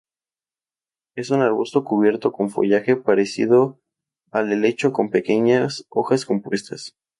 Es un arbusto cubierto de follaje parecido al helecho con pequeñas hojas compuestas.